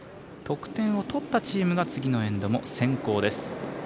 得点を取ったチームが次のエンドも先攻です。